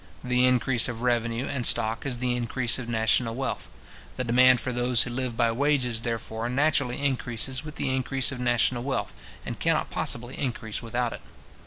The increase of revenue and stock is the increase of national wealth. The demand for those who live by wages, therefore, naturally increases with the increase of national wealth, and cannot possibly increase without it.